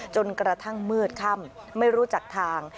จนกระทั่งมืดค่ำไม่รู้จักทาง